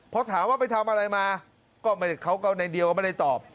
พอถามว่าไปทำอะไรมาก็ไม่ได้เขาก็ในเดียวก็ไม่ได้ตอบ